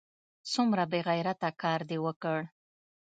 څومره بې غیرته کار دې وکړ!